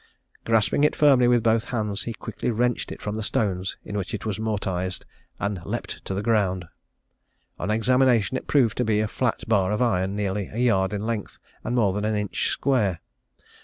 Grasping it firmly with both hands, he quickly wrenched it from the stones in which it was mortised, and leapt to the ground. On examination it proved to be a flat bar of iron, nearly a yard in length, and more than an inch square.